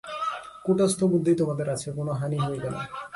কূটস্থ বুদ্ধি তোমাদের আছে, কোন হানি হইবে না।